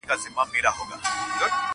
ته وایه و تیارو لره ډېوې لرې که نه,